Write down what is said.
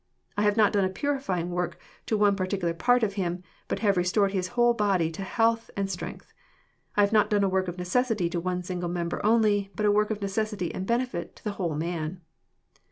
I have not done a purlfjriQg work to one particular part of him, but have restored, fajs whole body to health and strength. I have not done a work of_necessity to one single member only, but a work of necessity and benefit to the whole man."